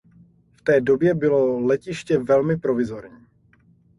V té době bylo letiště velmi provizorní.